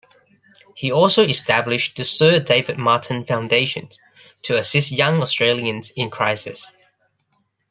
He also established the Sir David Martin Foundation to assist young Australians in crisis.